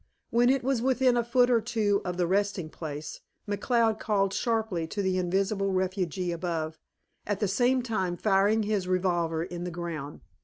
When it was within a foot or two of a resting place, McCloud called sharply to the invisible refugee above, at the same time firing his revolver in the ground.